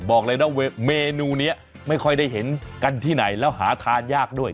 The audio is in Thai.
บอกเลยนะเมนูนี้ไม่ค่อยได้เห็นกันที่ไหนแล้วหาทานยากด้วย